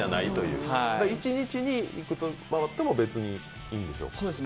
一日にいくつ回っても別にいいんですか？